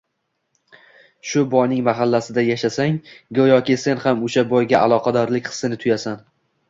Shu boyning mahallasida yashasang, go‘yoki sen ham o‘sha boyga aloqadorlik hissini tuyasan.